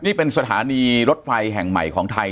นี่เป็นสถานีรถไฟแห่งใหม่ของไทย